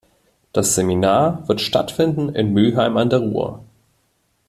Das Seminar wird stattfinden in Mülheim an der Ruhr.